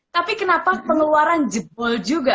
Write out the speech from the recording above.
tapi kenapa pengeluaran jebol juga